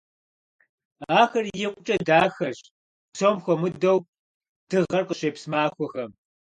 Ахэр икъукӀэ дахэщ, псом хуэмыдэу дыгъэр къыщепс махуэхэм.